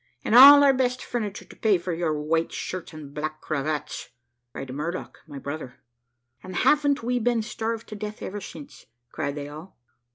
`And all our best furniture to pay for your white shirts and black cravats?' cried Murdock, my brother. `And haven't we been starved to death ever since?' cried they all.